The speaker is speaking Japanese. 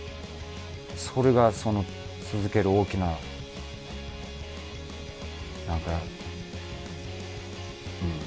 それが続ける大きななんかうん。